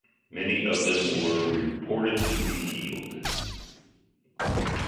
Many of them were reported to be healed.